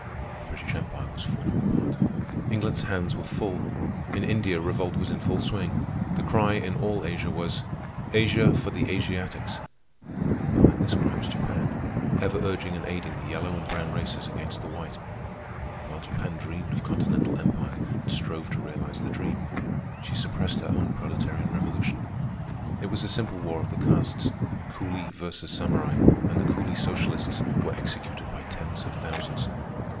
The British Empire was falling apart. England's hands were full. In India revolt was in full swing. The cry in all Asia was, "Asia for the Asiatics!" And behind this cry was Japan, ever urging and aiding the yellow and brown races against the white. And while Japan dreamed of continental empire and strove to realize the dream, she suppressed her own proletarian revolution. It was a simple war of the castes, Coolie versus Samurai, and the coolie socialists were executed by tens of thousands.